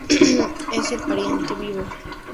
Es el pariente vivo más próximo a la jirafa.